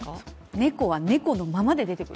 猫は猫のままで出てくる。